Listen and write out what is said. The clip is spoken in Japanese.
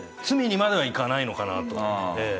罪にまではいかないのかなと。